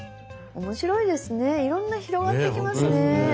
面白いですねいろんな広がっていきますね。